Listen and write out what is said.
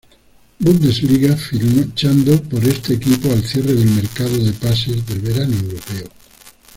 Bundesliga, fichando por este equipo al cierre del mercado de pases del verano europeo.